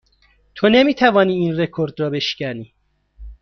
تو نمی توانی این رکورد را بشکنی.